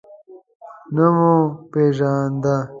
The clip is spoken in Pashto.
نه مو پیژانده.